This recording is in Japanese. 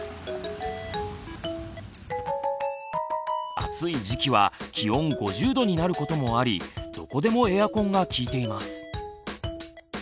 暑い時期は気温５０℃になることもありどこでもエアコンが効いています。